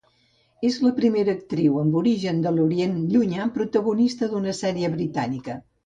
És la primera actriu amb origen de l'Orient Llunyà protagonista d'una sèrie britànica.